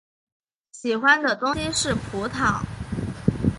喜欢的东西是葡萄。